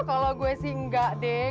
kalau gue sih enggak deh